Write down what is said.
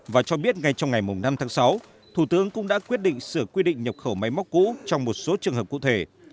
và cho biết ngay trong ngày năm tháng sáu thủ tướng cũng đã quyết định sửa quy định nhập khẩu máy móc cũ trong một số trường hợp cụ thể